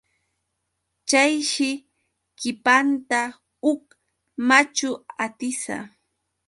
Chayshi qipanta huk machu atisa.